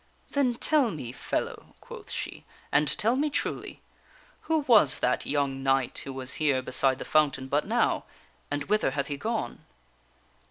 " Then tell me, fellow," quoth she, "and tell me truly. Who was that young knight who was here beside the fountain but now, and whither hath he gone?"